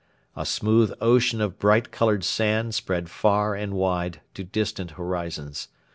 A smooth ocean of bright coloured sand spread far and wide to distant horizons.